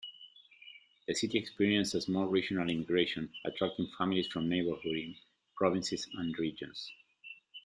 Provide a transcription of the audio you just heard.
The city experienced a small regional immigration, attracting families from neighboring provinces and regions.